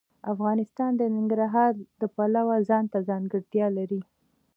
افغانستان د ننګرهار د پلوه ځانته ځانګړتیا لري.